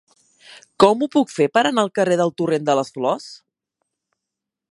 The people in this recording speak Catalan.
Com ho puc fer per anar al carrer del Torrent de les Flors?